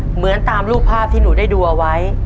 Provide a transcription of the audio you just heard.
เหมือนตามรูปภาพที่หนูได้ดูเอาไว้